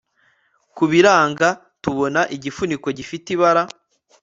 kubiranga, tubona igifuniko gifite ibara